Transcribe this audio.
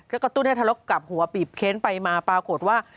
แล้วก็ตู้นให้ทารกกลับหัวปีปเข้นไปมาปรากฏว่า